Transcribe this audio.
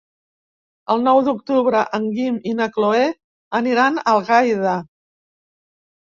El nou d'octubre en Guim i na Cloè aniran a Algaida.